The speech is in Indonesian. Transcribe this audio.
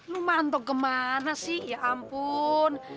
lu mantok ke mana sih ya ampun